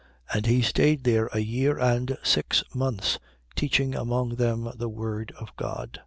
18:11. And he stayed there a year and six months, teaching among them the word of God.